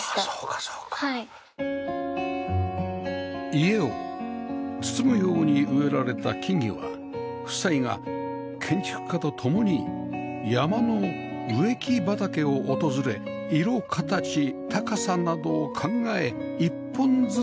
家を包むように植えられた木々は夫妻が建築家と共に山の植木畑を訪れ色形高さなどを考え一本ずつ選びました